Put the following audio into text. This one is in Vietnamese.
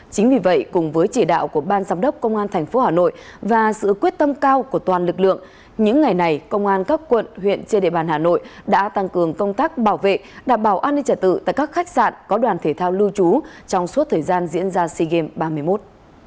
chính vì vậy cùng với chỉ đạo của ban giám đốc công an tp hà nội và sự quyết tâm cao của toàn lực lượng những ngày này công an các quận huyện trên địa bàn hà nội đã tăng cường công tác bảo vệ đảm bảo an ninh trả tự tại các khách sạn có đoàn thể thao lưu trú trong suốt thời gian diễn ra sea games ba mươi một